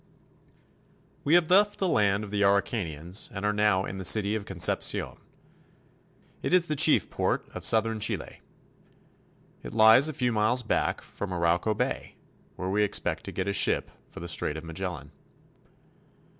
WE have left the land of the Araucanians and are now in the city of Concepcion. It is the chief port of southern Chile. It lies a few miles back from Arauco Bay, where we expect to get a ship for the Strait of Magellan.